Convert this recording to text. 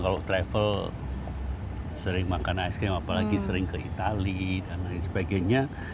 kalau travel sering makan es krim apalagi sering ke itali dan lain sebagainya